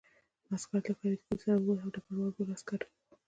عسکر له فریدګل سره ووت او ډګروال بل عسکر راوغوښت